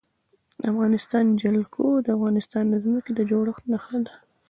د افغانستان جلکو د افغانستان د ځمکې د جوړښت نښه ده.